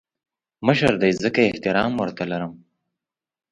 مشر دی ځکه احترام ورته لرم